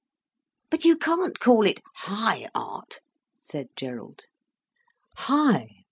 "But you can't call it high art," said Gerald. "High!